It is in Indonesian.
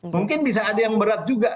mungkin bisa ada yang berat juga